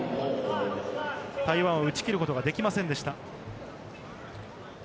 台湾、打ち切ることはできませんでした。